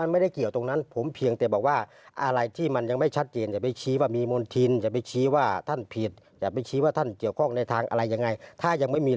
มีแค่นี้แหละมีปัญหาอยู่แค่นี้